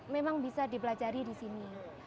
memang bisa dipelajari di sini